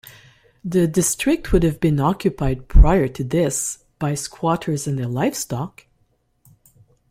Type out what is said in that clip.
The district would have been occupied prior to this by squatters and their livestock.